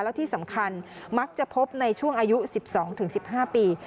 และที่สำคัญมักจะพบในช่วงอายุ๑๒๑๕ปี